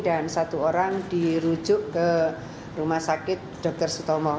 dan satu orang dirujuk ke rumah sakit dokter sutomo